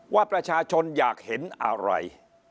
ว่าประชาชนอยากเห็นอะไร